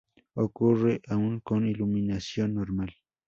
Ocurre aun con iluminación normal.